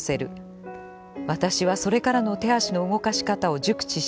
私はそれからの手足の動かし方を熟知していた。